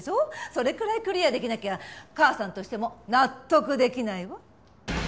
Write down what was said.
それくらいクリアできなきゃ母さんとしても納得できないわ。